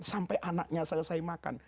sampai anaknya selesai makan